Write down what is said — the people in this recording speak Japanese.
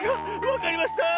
わかりました。